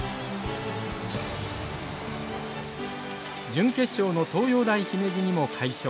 準決勝の東洋大姫路にも快勝。